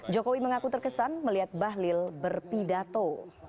jokowi mengaku terkesan melihat bahlil berpidato